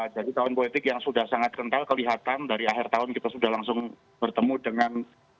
jadi tahun politik yang sudah sangat kental kelihatan dari akhir tahun kita sudah langsung bertemu dengan